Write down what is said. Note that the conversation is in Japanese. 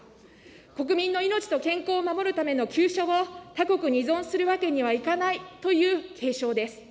国民の命と健康を守るための急所を他国に依存するわけにはいかないという警鐘です。